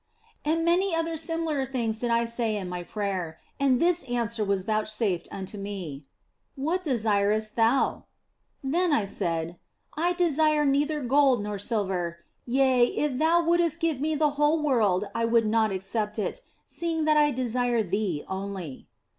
And many other similar things did I say in my prayer, and this answer was vouchsafed unto me, " What de sirest thou ?" Then I said : "I desire neither gold nor silver ; yea, if Thou wouldst give me the whole world I would not accept it, seeing that I desire Thee only."